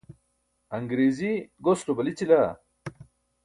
aṅriizi goslo balićila?